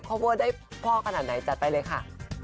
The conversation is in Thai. เวอร์ได้พ่อขนาดไหนจัดไปเลยค่ะ